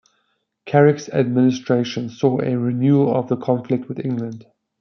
Carrick's administration saw a renewal of the conflict with England.